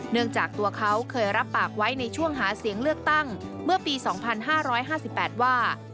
จากตัวเขาเคยรับปากไว้ในช่วงหาเสียงเลือกตั้งเมื่อปี๒๕๕๘ว่า